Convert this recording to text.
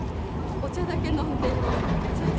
お茶だけ飲んでそれで。